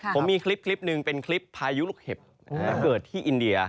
ผมมีคลิปหนึ่งเป็นคลิปพายุลูกเห็บเกิดที่อินเดีย